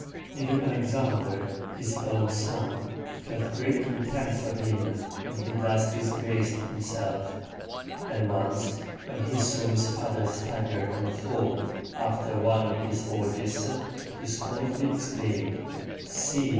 Even Alexander, his own son, felt great contempt for him when he thus disgraced himself; and once when he saw his father stagger and fall after one of his orgies, he scornfully exclaimed, "See!